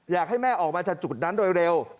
อยากให้แม่ออกมาจากจุดนั้นโดยเร็ว